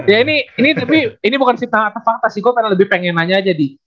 ya ini tapi ini bukan fakta sih gue karena lebih pengen nanya aja di